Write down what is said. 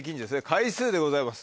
回数でございます。